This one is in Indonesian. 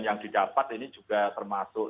yang didapat ini juga termasuk